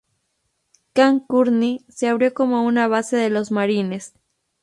Camp Courtney se abrió como una base de los Marines.